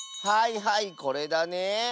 はいはいこれだね。